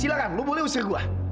silahkan lu boleh ngusir gue